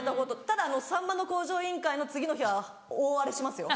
ただ『さんまの向上委員会』の次の日は大荒れしますよ。